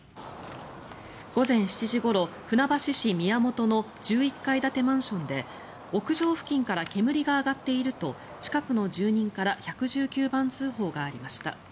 午前７時ごろ、船橋市宮本の１１階建てマンションで屋上付近から煙が上がっていると近くの住人から１１９番通報がありました。